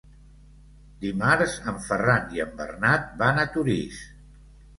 Dimarts en Ferran i en Bernat van a Torís.